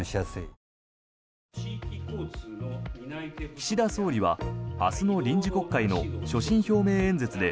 岸田総理は明日の臨時国会の所信表明演説で